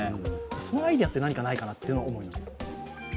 そのアイデアって、何かないかなと思います。